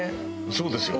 そうですよね。